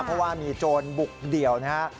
เพราะว่ามีโจรบุกเดี่ยวนะฮะ